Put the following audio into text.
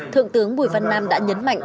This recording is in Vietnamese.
thượng tướng bùi văn nam đã nhấn mạnh